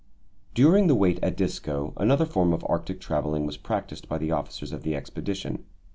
During the wait at Disko, another form of Arctic travelling was practised by the officers of the expedition.